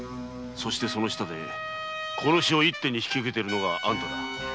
そしてその下で殺しを一手に引き受けているのがあんただ。